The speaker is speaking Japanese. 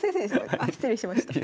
あ失礼しました。